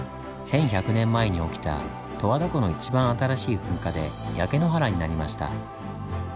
１１００年前に起きた十和田湖の一番新しい噴火で焼け野原になりました。